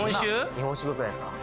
日本酒よくないですか？